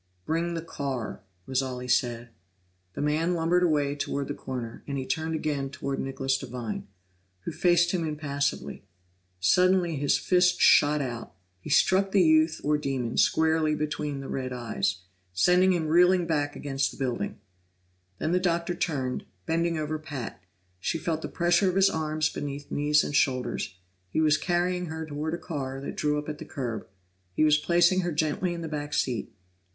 "Bring the car," was all he said. The man lumbered away toward the corner, and he turned again toward Nicholas Devine, who faced him impassively. Suddenly his fist shot out; he struck the youth or demon squarely between the red eyes, sending him reeling back against the building. Then the Doctor turned, bending over Pat; she felt the pressure of his arms beneath knees and shoulders. He was carrying her toward a car that drew up at the curb; he was placing her gently in the back seat.